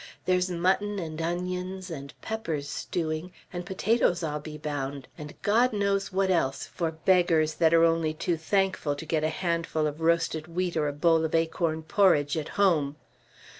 There's mutton and onions, and peppers stewing, and potatoes, I'll be bound, and God knows what else, for beggars that are only too thankful to get a handful of roasted wheat or a bowl of acorn porridge at home.